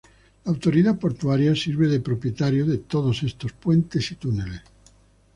La Autoridad Portuaria sirve de propietario de todos estos puentes y túneles.